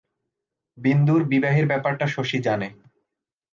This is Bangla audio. বিন্দুর বিবাহের ব্যাপারটা শশী জানে।